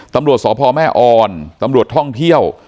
ตำรวจสพแม่ออนตำรวจท่องเที่ยว